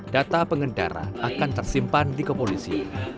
data pengendara akan tersimpan di kepolisian